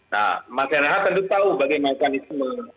nah masyarakat itu tahu bagaimana kan itu